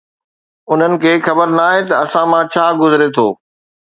انهن کي خبر ناهي ته اسان مان ڇا گذري ٿو